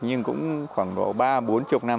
nhưng cũng khoảng độ ba bốn mươi năm